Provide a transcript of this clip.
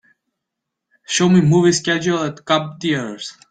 Show me movie schedule at Cobb Theatres